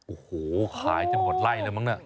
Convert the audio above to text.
โอ้โหขายจนหมดไล่แล้วมั้งเนี่ย